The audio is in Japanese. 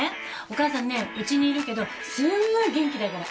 お母さんねうちにいるけどすんごい元気だから。